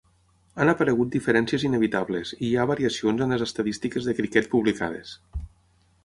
Han aparegut diferències inevitables i hi ha variacions en les estadístiques de criquet publicades.